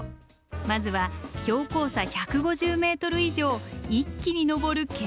まずは標高差１５０ｍ以上一気に登る険しい道。